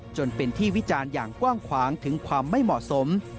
จนเป็นที่วิจารณ์อย่างกว้างขวางถึงความไม่เหมาะสม